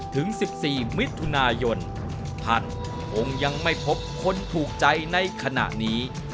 ถึง๑๔มิถุนายนท่านคงยังไม่พบคนถูกใจในขณะนี้